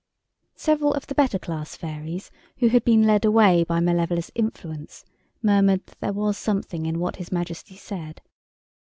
Several of the better class fairies who had been led away by Malevola's influence murmured that there was something in what His Majesty said.